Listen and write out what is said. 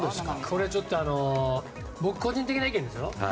これ、ちょっと僕個人的な意見ですよ。